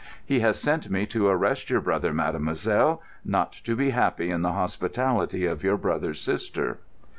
He has sent me to arrest your brother, mademoiselle, not to be happy in the hospitality of your brother's sister."